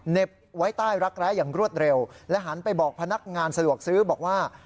ไว้ใต้รักแร้อย่างรวดเร็วและหันไปบอกพนักงานสะดวกซื้อบอกว่า